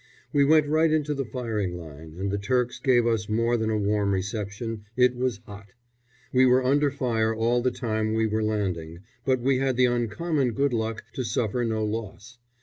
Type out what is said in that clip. We went right into the firing line, and the Turks gave us more than a warm reception it was hot. We were under fire all the time we were landing, but we had the uncommon good luck to suffer no loss.